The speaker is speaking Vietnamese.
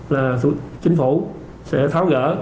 là chính phủ sẽ tháo gỡ